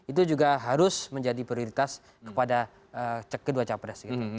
itu juga harus menjadi prioritas kepada kedua capres